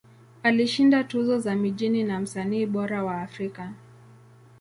Alishinda tuzo za mijini za Msanii Bora wa Afrika.